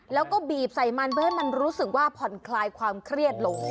แล้วก็บีบใส่มันเพื่อให้มันรู้สึกว่าผ่อนคลายความเครียดลง